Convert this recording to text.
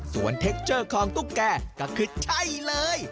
ส่วนเทคเจอร์ของตุ๊กแกก็คือใช่เลย